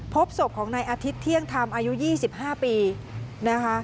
พบศพของนายอาทิตย์เที่ยงธรรมอายุ๒๕ปีนะคะ